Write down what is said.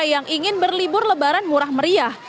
yang ingin berlibur lebaran murah meriah